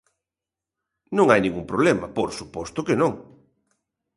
Non hai ningún problema, por suposto que non.